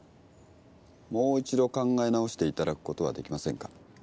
もう一度考え直していただくことはできませんか？